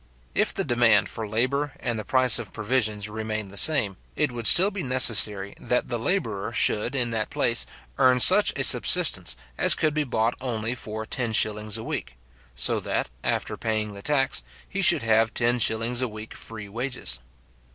If the demand for labour and the price of provisions remained the same, it would still be necessary that the labourer should, in that place, earn such a subsistence as could be bought only for ten shillings a week; so that, after paying the tax, he should have ten shillings a week free wages.